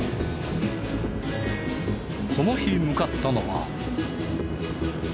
この日向かったのは。